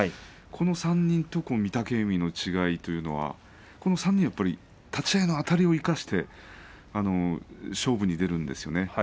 この３人と御嶽海の違いというのはこの３人はやっぱり立ち合いのあたりを生かして勝負に出るんですよね。